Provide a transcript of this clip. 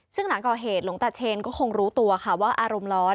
ซึ่งหลังก่อเหตุหลวงตาเชนก็คงรู้ตัวค่ะว่าอารมณ์ร้อน